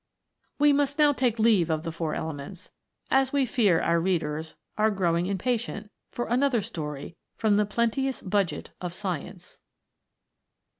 We must now take leave of the Four Elements, as we fear our readers are growing impatient for another story from the plenteous budget of Science.